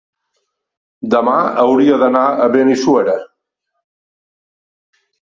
Demà hauria d'anar a Benissuera.